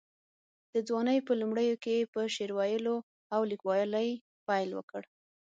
د ځوانۍ په لومړیو کې یې په شعر ویلو او لیکوالۍ پیل وکړ.